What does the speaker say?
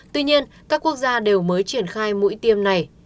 tuy nhiên các quốc gia đều mới triển khai mũi tiêm này